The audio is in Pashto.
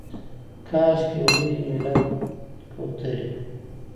کاشکي یو لوی ملت کوترې